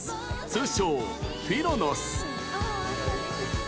通称・フィロのス。